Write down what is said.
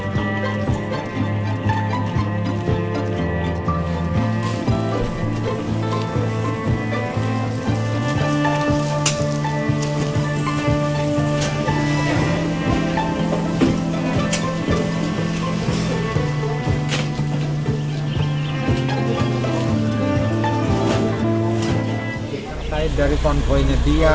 terakhir dari konvoi nya dia